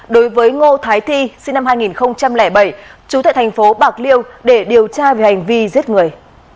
đối với ngô thái thi sinh năm hai nghìn bảy chú tại thành phố bạc liêu để điều tra về hành vi giết người